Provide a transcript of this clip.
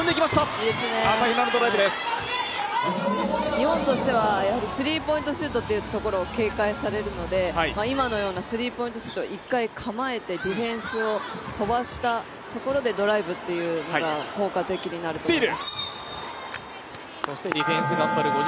日本としてはやはりスリーポイントシュートというところを警戒されるので、今のようなスリーポイントシュート一回、構えてディフェンスを飛ばしたところでドライブっていうのが効果的になると思います。